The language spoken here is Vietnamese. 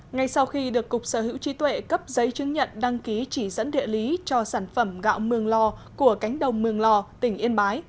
ngay sau khi được cục sở hữu trí tuệ cấp giấy chứng nhận đăng ký chỉ dẫn địa lý cho sản phẩm gạo mường lò của cánh đồng mường lò tỉnh yên bái